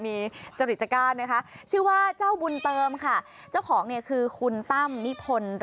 ไม่ใช่คนนี้สิตัวนี้